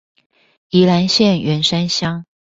宜蘭縣員山鄉